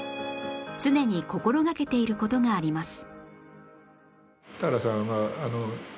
常に心掛けている事があります